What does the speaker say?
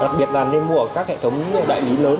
đặc biệt là nên mua ở các hệ thống đại lý lớn